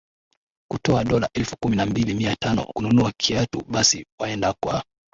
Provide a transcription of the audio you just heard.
kutoa dola elfu kumi na mbili mia tano kununua kiatu basi waende kwa